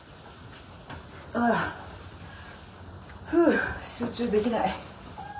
あふう集中できない。